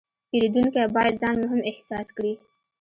پیرودونکی باید ځان مهم احساس کړي.